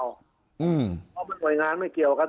เพราะว่าก่อนหน่วยงานไม่เกี่ยวกัน